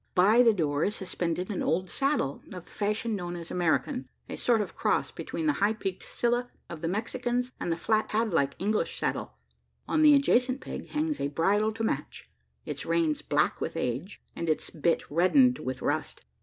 By the door is suspended an old saddle, of the fashion known as American a sort of cross between the high peaked silla of the Mexicans, and the flat pad like English saddle. On the adjacent peg hangs a bridle to match its reins black with age, and its bit reddened with rust.